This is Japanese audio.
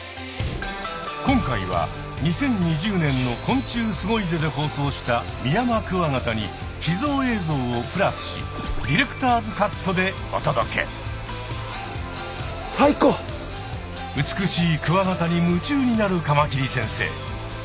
今回は２０２０年の「昆虫すごいぜ！」で放送したミヤマクワガタに秘蔵映像をプラスし美しいクワガタに夢中になるカマキリ先生。